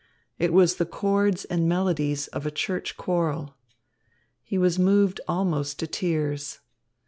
It was the chords and melodies of a church choral. He was moved almost to tears.